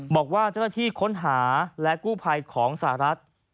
บอกว่าเจ้าหน้าที่ค้นหาและกู้ภัยของสหรัฐ